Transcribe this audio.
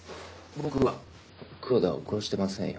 僕は黒田を殺してませんよ。